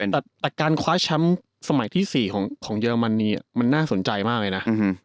แต่การคว้าแชมป์สมัยที่๔ของเยอรมนีมันน่าสนใจมากเลยนะ